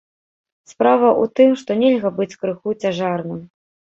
Справа ў тым, што нельга быць крыху цяжарным.